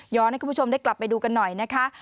ให้คุณผู้ชมได้กลับไปดูกันหน่อยนะคะ